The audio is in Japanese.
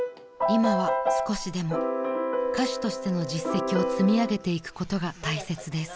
［今は少しでも歌手としての実績を積み上げていくことが大切です］